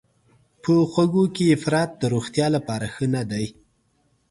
په خوږو کې افراط د روغتیا لپاره ښه نه دی.